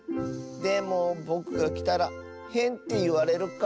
でもぼくがきたらへんっていわれるかも。